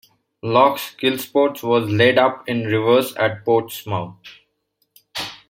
"Loch Killisport" was laid up in Reserve at Portsmouth.